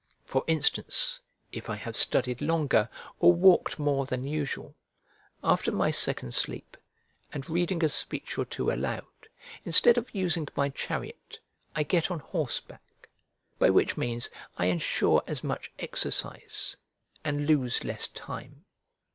For instance, if I have studied longer or walked more than usual, after my second sleep, and reading a speech or two aloud, instead of using my chariot I get on horseback; by which means I ensure as much exercise and lose less time.